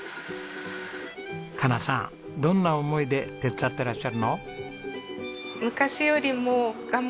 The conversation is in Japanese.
加奈さんどんな思いで手伝ってらっしゃるの？